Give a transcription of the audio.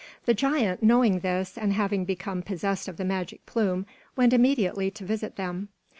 The giant, knowing this and having become possessed of the magic plume, went immediately to visit them.